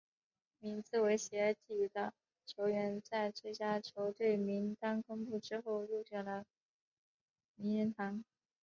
名字为斜体的球员在最佳球队名单公布之后入选了名人堂。